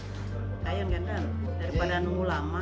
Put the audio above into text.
sayang kan kan daripada nunggu lama